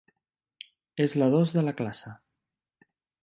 És la dos de la classe.